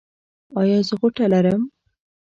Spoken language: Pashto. ایا زه غوټه لرم؟